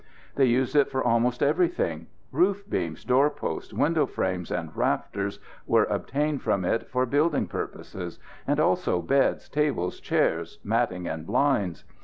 They used it for almost everything. Roof beams, doorposts, window frames and rafters were obtained from it for building purposes, and also beds, tables, chairs, matting and blinds.